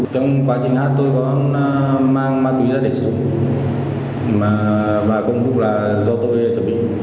trong quá trình hát tôi có mang ma túy ra định sử và công cục là do tôi chuẩn bị